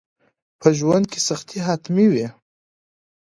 په ژوند کي سختي حتمي وي.